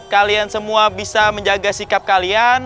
kalian semua bisa menjaga sikap kalian